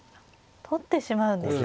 取ってしまうんですか。